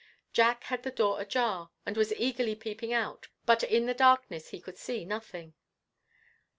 Jack had the door ajar, and was eagerly peeping out; but in the darkness he could see nothing.